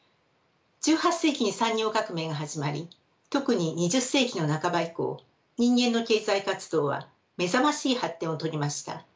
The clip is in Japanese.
１８世紀に産業革命が始まり特に２０世紀の半ば以降人間の経済活動は目覚ましい発展を遂げました。